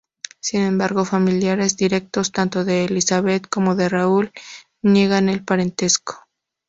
Sin embargo, familiares directos tanto de Elizabeth como de Raúl niegan el parentesco.